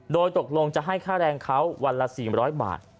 โดยตกลงจะให้ค่าแรงเขาวันละ๔๐๐บาท